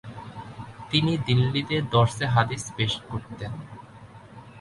তিনি দিল্লিতে দরসে হাদিস পেশ করতেন।